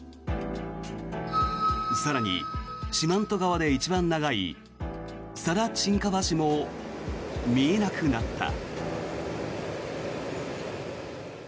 更に、四万十川で一番長い佐田沈下橋も見えなくなった。